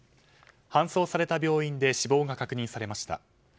搬送された病院で死亡が確認されました。